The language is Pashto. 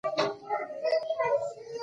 واکمنو په خپله خوښه حکومت کاوه.